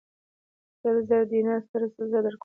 سل زره دیناره سره زر درکوم.